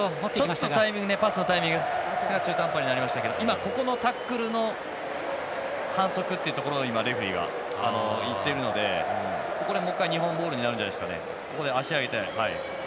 ちょっとパスのタイミング中途半端になりましたけど今、ここのタックルの反則というところを今、レフリーが言ってるのでここでもう１回、日本ボールになるんじゃないですかね。